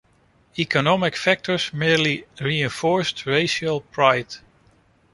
Economic factors merely reinforced racial pride.